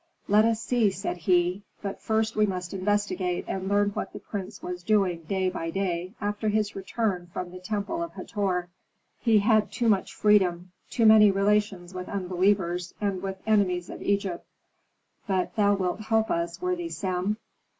"Let us see," said he. "But first we must investigate and learn what the prince was doing day by day, after his return from the temple of Hator. He had too much freedom, too many relations with unbelievers and with enemies of Egypt. But thou wilt help us, worthy Sem."